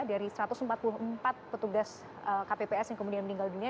dari satu ratus empat puluh empat petugas kpps yang kemudian meninggal dunia